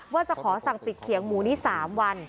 ว่าจะขอสั่งปิดเขียงหมูนี้๓วัน